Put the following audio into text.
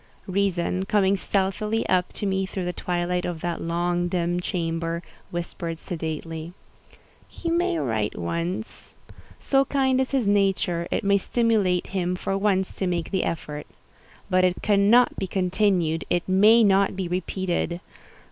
Reason, coming stealthily up to me through the twilight of that long, dim chamber, whispered sedately—"He may write once. So kind is his nature, it may stimulate him for once to make the effort. But it cannot be continued—it may not be repeated.